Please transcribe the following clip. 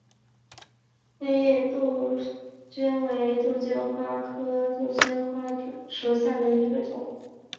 皋月杜鹃为杜鹃花科杜鹃花属下的一个种。